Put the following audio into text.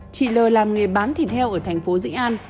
chị t d l làm nghề bán thịt heo ở thành phố dĩ an